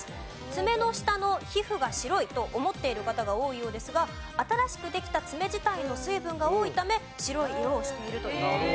爪の下の皮膚が白いと思っている方が多いようですが新しくできた爪自体の水分が多いため白い色をしているという事です。